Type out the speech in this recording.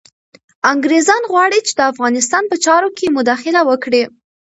انګریزان غواړي چي د افغانستان په چارو کي مداخله وکړي.